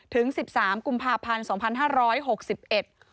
ถึง๑๓กุมภาพันธ์๒๕๖๑